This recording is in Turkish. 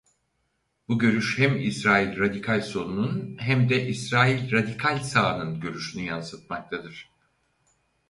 Bu görüş hem İsrail radikal solunun hem de İsrail radikal sağının görüşünü yansıtmaktadır.